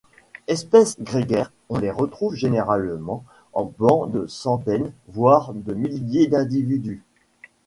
Espèces grégaires, on les retrouve généralement en bancs de centaines voire de milliers d'individus.